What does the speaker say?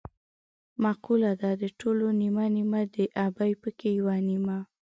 مقوله ده: د ټولو نیمه نیمه د ابۍ پکې یوه نیمه.